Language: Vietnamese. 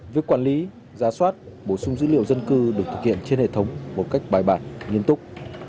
việc quản lý giá soát bổ sung dữ liệu dân cư được thực hiện trên hệ thống một cách bài bản nghiêm túc